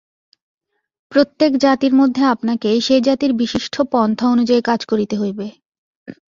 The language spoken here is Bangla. প্রত্যেক জাতির মধ্যে আপনাকে সেই জাতির বিশিষ্ট পন্থা অনুযায়ী কাজ করিতে হইবে।